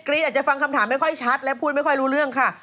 อาจจะฟังคำถามไม่ค่อยชัดและพูดไม่ค่อยรู้เรื่องค่ะ